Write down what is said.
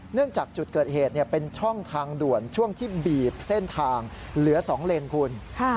จากจุดเกิดเหตุเป็นช่องทางด่วนช่วงที่บีบเส้นทางเหลือ๒เลนคุณ